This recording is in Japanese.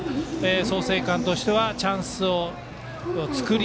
創成館としてはチャンスを作り